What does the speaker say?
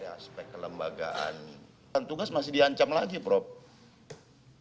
tugas masih diancam lagi prof